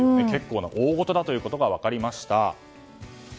結構な大ごとだということが分かりました。